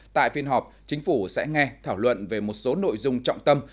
tại phiên họp chính phủ sẽ nghe thảo luận về một số nội dung trọng tâm